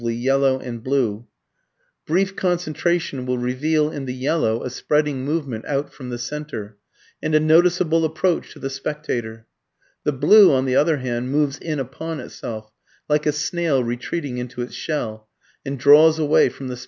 If two circles are drawn and painted respectively yellow and blue, brief concentration will reveal in the yellow a spreading movement out from the centre, and a noticeable approach to the spectator. The blue, on the other hand, moves in upon itself, like a snail retreating into its shell, and draws away from the spectator.